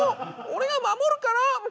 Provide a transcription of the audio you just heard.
俺が守るから。